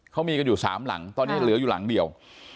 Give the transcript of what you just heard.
เขามีกันอยู่๓หลังตอนนี้เหลืออยู่หลังเดียว